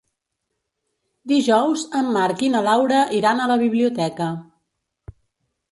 Dijous en Marc i na Laura iran a la biblioteca.